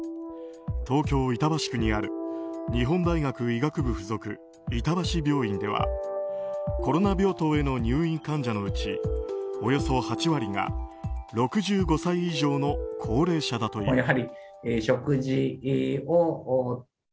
東京・板橋区にある日本大学医学部附属板橋病院ではコロナ病棟への入院患者のうちおよそ８割が６５歳以上の高齢者だという。